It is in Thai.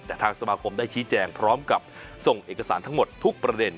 แต่ทางสมาคมได้ชี้แจงพร้อมกับส่งเอกสารทั้งหมดทุกประเด็น